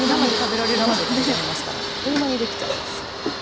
生で食べられますからあっという間にできちゃいます。